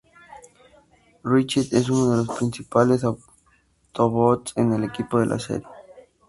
Ratchet es uno de los principales Autobots en el equipo de la serie.